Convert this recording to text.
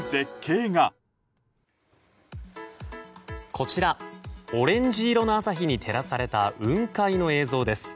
こちらオレンジ色の朝日に照らされた雲海の映像です。